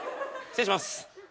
失礼します。